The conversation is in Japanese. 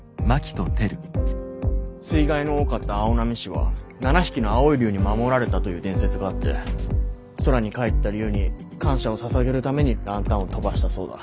水害の多かった青波市は７匹の青い龍に守られたという伝説があって空に帰った龍に感謝をささげるためにランタンを飛ばしたそうだ。